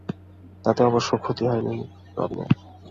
তাতে অবশ্য ক্ষতি হয়নি রবিনের।